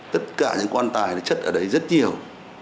tất cả những quan tài nó chất ở đấy rất nhiều